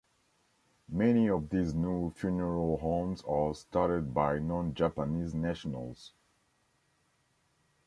Many of these new funeral homes are started by non-Japanese nationals.